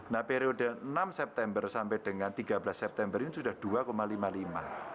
nah periode enam september sampai dengan tiga belas september ini sudah dua lima puluh lima